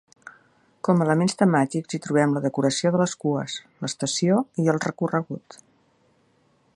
Com a elements temàtics hi trobem la decoració de les cues, l'estació i el recorregut.